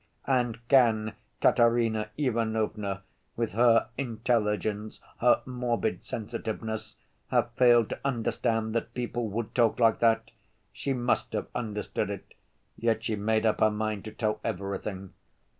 And can Katerina Ivanovna, with her intelligence, her morbid sensitiveness, have failed to understand that people would talk like that? She must have understood it, yet she made up her mind to tell everything.